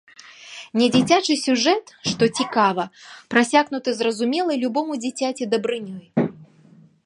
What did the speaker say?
Недзіцячы сюжэт, што цікава, прасякнуты зразумелай любому дзіцяці дабрынёй.